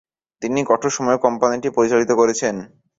তিনি কঠোর সময়েও কোম্পানিটি পরিচালিত করেছেন।